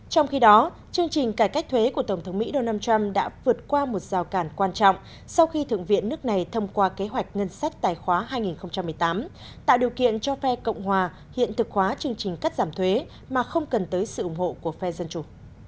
trong khi đó chương trình cải cách thuế của tổng thống mỹ donald trump đã vượt qua một rào cản quan trọng sau khi thượng viện nước này thông qua kế hoạch ngân sách tài khoá hai nghìn một mươi tám tạo điều kiện cho phe cộng hòa hiện thực hóa chương trình cắt giảm thuế mà không cần tới sự ủng hộ của phe dân chủ